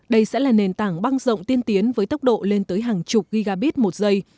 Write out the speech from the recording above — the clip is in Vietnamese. đây sẽ là nền tảng băng rộng tiên tiến với tốc độ lên tới hàng chục gigabit một giây